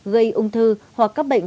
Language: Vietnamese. gây ung thư hoặc các bệnh